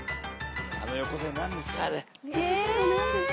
あの横線何ですか？